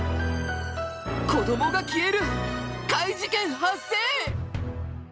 子どもが消える怪事件発生！